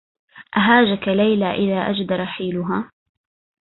أهاجك ليلى إذ أجد رحيلها